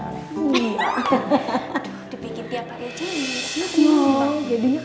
aduh dibikin tiap hari aja nih